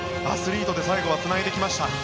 アスリートで最後はつないできました。